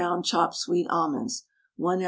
chopped sweet almonds, 1 oz.